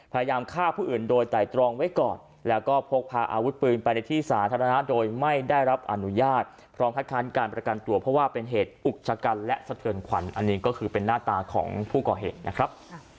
พยายามฆ่าผู้อื่นโดยไตรตรองไว้ก่อนแล้วก็พกพาอาวุธปืนไปในที่สาธารณะโดยไม่ได้รับอนุญาตพร้อมคัดค้านการประกันตัวเพราะว่าเป็นเหตุอุกชะกันและสะเทือนขวัญอันนี้ก็คือเป็นหน้าตาของผู้ก่อเหตุนะครับ